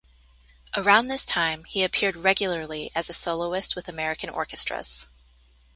Around this time, he appeared regularly as a soloist with American orchestras.